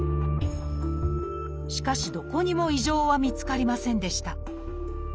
しかしどこにも異常は見つかりませんでした。